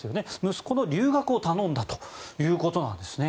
息子の留学を頼んだということなんです。